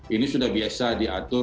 ini sudah biasa diatur